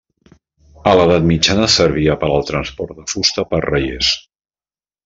A l'edat mitjana servia per al transport de fusta per raiers.